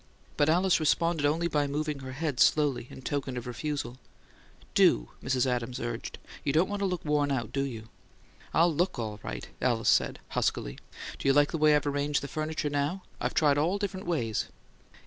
But Alice responded only by moving her head slowly, in token of refusal. "Do!" Mrs. Adams urged. "You don't want to look worn out, do you?" "I'll LOOK all right," Alice said, huskily. "Do you like the way I've arranged the furniture now? I've tried all the different ways it'll go."